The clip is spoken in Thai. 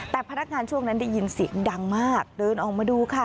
แต่พนักงานช่วงนั้นได้ยินเสียงดังมากเดินออกมาดูค่ะ